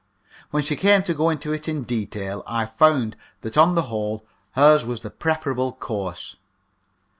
When she came to go into it in detail, I found that on the whole hers was the preferable course.